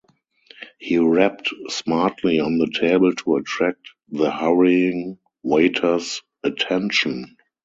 He rapped smartly on the table to attract the hurrying waiter's attention.